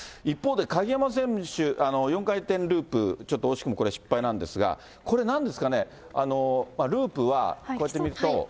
一方で鍵山選手、４回転ループ、ちょっと惜しくもこれ、失敗なんですが、これなんですかね、ループはこうやって見ると。